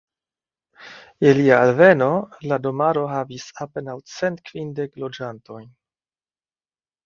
Je lia alveno, la domaro havis apenaŭ cent kvindek loĝantojn.